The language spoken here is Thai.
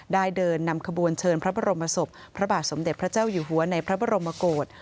เดินนำขบวนเชิญพระบรมศพพระบาทสมเด็จพระเจ้าอยู่หัวในพระบรมโกศ